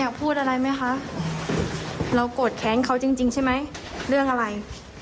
เรากดแข็งเขาจริงใช่ไหมเรื่องอะไร